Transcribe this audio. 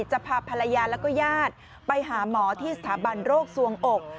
จะพาภรรยาแล้วก็ญาติไปหาหมอที่สถาบันโรคสวงอก